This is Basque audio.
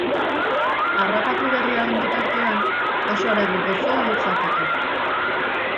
Harrapatu berria den bitartean oso haragi gozoa du jateko.